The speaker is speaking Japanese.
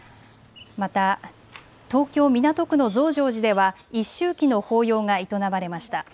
また東京港区の増上寺では一周忌の法要が営まれました。